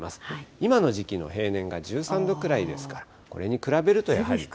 今の時期の平年が１３度くらいですから、これに比べるとやはり。